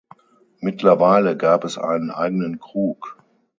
Mittlerweile gab es einen eigenen Krug.